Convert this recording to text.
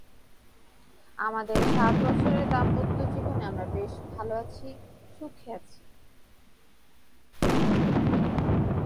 আমাদের সাত বছরের দাম্পত্য জীবনে আমরা বেশ ভালো আছি, সুখে আছি।